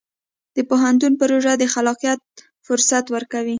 د پوهنتون پروژه د خلاقیت فرصت ورکوي.